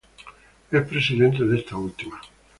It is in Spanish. Es presidente de esta última.